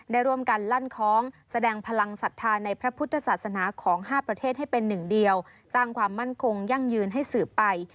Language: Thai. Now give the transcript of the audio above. ได้ร่วมกันลั่นคล้องแสดงพลังศรัทธาในพระพุทธศาสนาของ๕ประเทศให้เป็นหนึ่งเดียวสร้างความมั่นคงยั่งยืนให้สืบไป